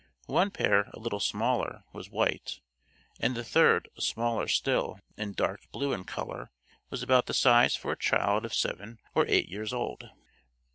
One pair, a little smaller, was white, and the third, smaller still and dark blue in color, was about the size for a child of seven or eight years old.